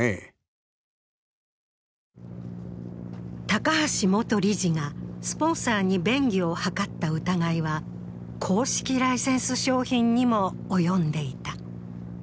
高橋元理事がスポンサーに便宜を図った疑いは公式ライセンス商品にも及んでいた。